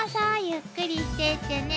ゆっくりしていってね。